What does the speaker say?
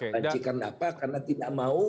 banci karena apa karena tidak mau